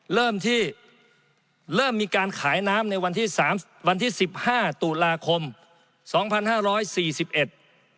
เริ่มที่เริ่มมีการขายน้ำในวันที่สามวันที่สิบห้าตุลาคมสองพันห้าร้อยสี่สิบเอ็ด